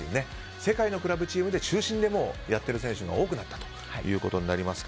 世界のクラブチームの中心でやっている選手が多くなったということになります。